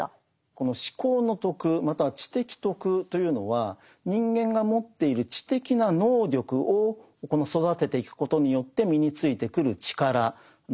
この思考の徳または知的徳というのは人間が持っている知的な能力を育てていくことによって身についてくる力なんです。